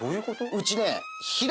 うちね。